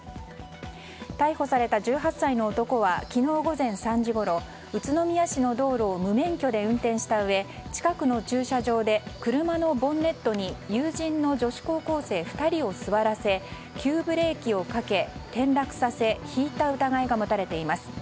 逮捕された１８歳の男は昨日午前３時ごろ宇都宮市の道路を無免許で運転したうえ近くの駐車場で車のボンネットに友人の女子高校生２人を座らせ急ブレーキをかけ転落させひいた疑いが持たれています。